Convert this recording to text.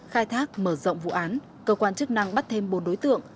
khai thác mở rộng vụ án cơ quan chức năng bắt thêm bốn đối tượng